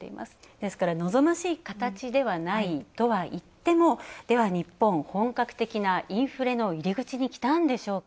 ですから、望ましい形ではないといってもでは、日本、本格的なインフレの入り口に来たんでしょうか？